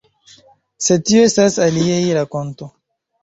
Sed tio estas alia rakonto.